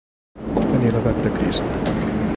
Tenir l'edat de Crist.